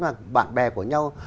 mà bạn bè của nhau